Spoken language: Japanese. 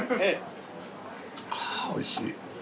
ああおいしい。